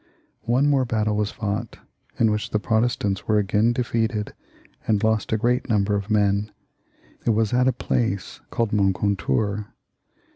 One more battle was f6ught, in which the Protestants were again defeated and lost a great number of men. It was at a place called Moncontour.